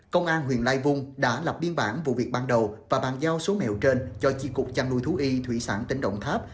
công an huyện lai vung đã lập biên bản vụ việc ban đầu và bàn giao số nghèo trên cho chiếc cục chăn nuôi thú y thủy sản tỉnh đồng tháp